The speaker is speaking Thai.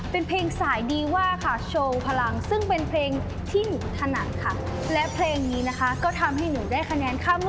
เพราะฉะนั้นรอดติดตามชมนะคะ